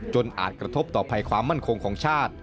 อาจกระทบต่อภัยความมั่นคงของชาติ